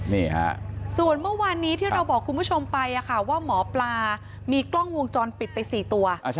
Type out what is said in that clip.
นี่ฮะส่วนเมื่อวานนี้ที่เราบอกคุณผู้ชมไปว่าหมอปลามีกล้องวงจรปิดไป๔ตัว